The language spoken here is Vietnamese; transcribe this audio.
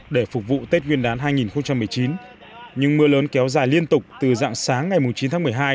để phục vụ tết nguyên đán hai nghìn một mươi chín nhưng mưa lớn kéo dài liên tục từ dạng sáng ngày chín tháng một mươi hai